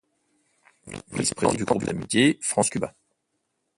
Vice-président du groupe d'amitié France-Cuba.